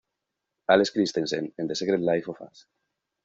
Alex Christensen en The Secret Life of Us.